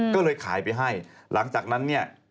ก็เลยขายไปให้หลังจากนั้นเนี่ย